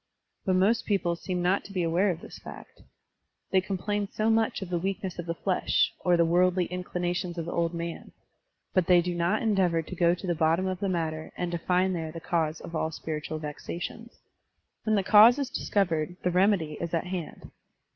But most people seem not to be aware of this fact. They Digitized by Google 44 SERMONS OP A BUDDHlSt ABBOT complain so much of the weakness of the flesh, or the worldly inclinations of the "old man,'* but they do not endeavor to go to the bottom of the matter and to find there the cause of all spiritual vexations. When the cause is discov ered the remedy is at hand.